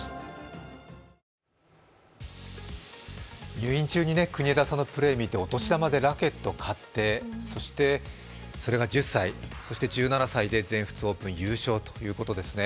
入院中に国枝さんのプレーを見てお年玉でラケットを買って、それが１０歳、そして１７歳で全仏オープン優勝ということですね。